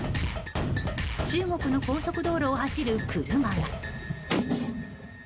中国の高速道路を走る車が。